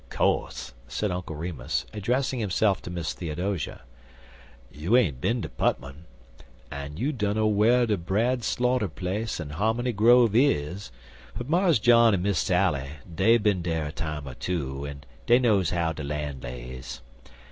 "Co'se," said Uncle Remus, addressing himself to Miss Theodosia, "you ain't bin to Putmon, en you dunner whar de Brad Slaughter place en Harmony Grove is, but Mars John en Miss Sally, dey bin dar a time er two, en dey knows how de lan' lays.